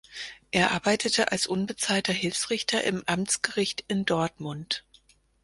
Er arbeitete als unbezahlter Hilfsrichter im Amtsgericht in Dortmund.